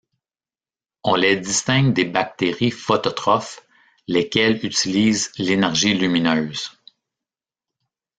On les distingue des bactéries phototrophes, lesquelles utilisent l'énergie lumineuse.